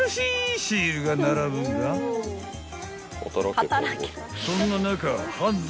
シールが並ぶがそんな中］